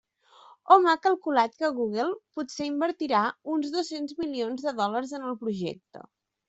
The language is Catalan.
Hom ha calculat que Google potser invertirà uns dos-cents milions de dòlars en el projecte.